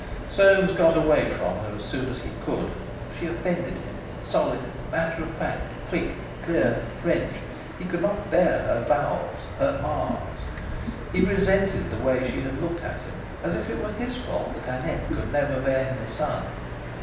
_" Soames got away from her as soon as he could. She offended him—solid, matter of fact, quick, clear—French. He could not bear her vowels, her "r's". he resented the way she had looked at him, as if it were his fault that Annette could never bear him a son!